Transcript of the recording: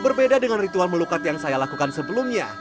berbeda dengan ritual melukat yang saya lakukan sebelumnya